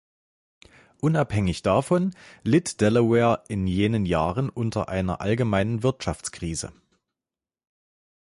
Unabhängig davon litt Delaware in jenen Jahren unter einer allgemeinen Wirtschaftskrise.